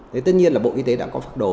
tất nhiên là bộ y tế đã có pháp đồ